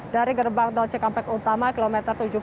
dari gerbang tol cikampek utama kilometer tujuh puluh